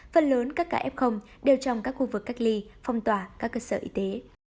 phần lớn các ca f đều trong các khu vực cách ly phong tỏa các cơ sở y tế